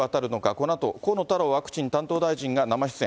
このあと、河野太郎ワクチン担当大臣が生出演。